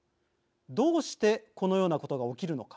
どうして、このようなことが起きるのか。